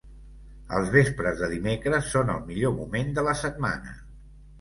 Els vespres de dimecres són el millor moment de la setmana.